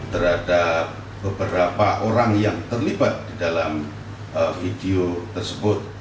terhadap beberapa orang yang terlibat di dalam video tersebut